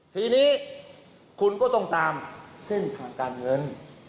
ทีนี้คุณก็ต้องตามเส้นทางการเงิน